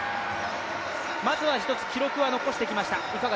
まずは一つ記録は残してきました。